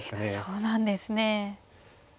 そうなんですね。